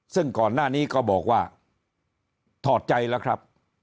ซึ่งก่อนหน้านี้ก็บอกว่าถอดใจแล้วครับ